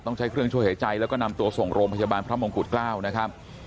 ใช้เครื่องช่วยหายใจแล้วก็นำตัวส่งโรงพยาบาลพระมงกุฎเกล้านะครับ